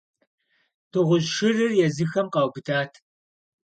Дыгъужь шырыр езыхэм къаубыдат.